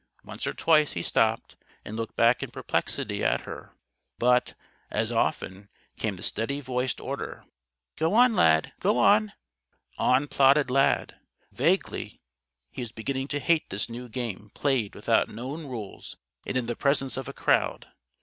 Once or twice he stopped and looked back in perplexity at her; but, as often, came the steady voiced order: "Go on! Lad! Go on!" On plodded Lad. Vaguely, he was beginning to hate this new game played without known rules and in the presence of a crowd.